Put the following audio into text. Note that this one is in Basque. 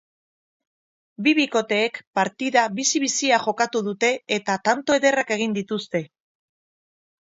Bi bikoteek partida bizi-bizia jokatu dute eta tanto ederrak egin dituzte.